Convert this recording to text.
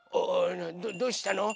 どうしたの？